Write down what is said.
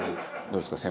どうですか？